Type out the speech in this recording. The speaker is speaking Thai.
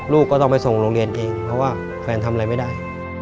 ลูกก็ต้องไปส่งโรงเรียนเองเพราะว่าแฟนทำอะไรไม่ได้